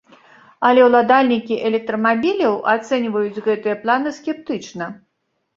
Але ўладальнікі электрамабіляў ацэньваюць гэтыя планы скептычна.